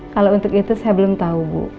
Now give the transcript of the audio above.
kalau untuk itu saya belum tahu bu